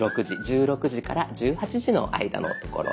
１６時から１８時の間のところです。